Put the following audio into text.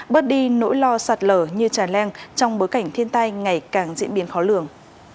bớt đi nỗi lo sạt lở như trà leng trong bối cảnh thiên tai ngày càng diễn biến khó lường